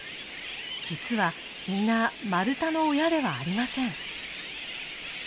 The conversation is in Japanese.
実は皆マルタの親ではありません。